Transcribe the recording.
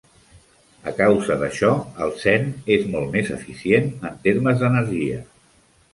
A causa d'això, el zen és molt més eficient en termes d'energia.